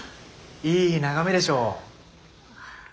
いい眺めでしょう？